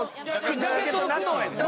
ジャケットの苦悩やねん。